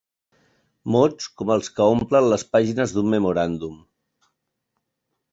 Mots com els que omplen les pàgines d'un memoràndum.